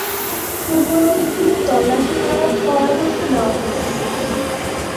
পূর্ব নদীর তীরে তল্লাশি করার পরামর্শ দেওয়া হলো।